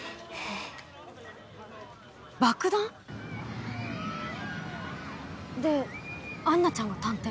爆弾？でアンナちゃんが探偵？